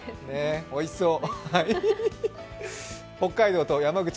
おいしそう。